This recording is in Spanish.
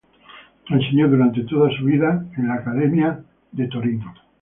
Enseñó durante toda su vida en la "Accademia Militare de Torino".